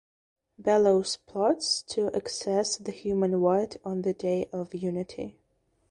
Belos plots to access the human world on the Day of Unity.